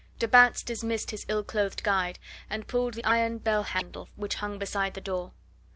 De Batz dismissed his ill clothed guide and pulled the iron bell handle which hung beside the door.